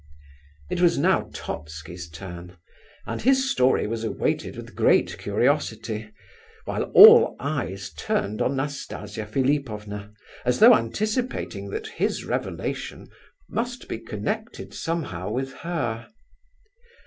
It was now Totski's turn, and his story was awaited with great curiosity—while all eyes turned on Nastasia Philipovna, as though anticipating that his revelation must be connected somehow with her.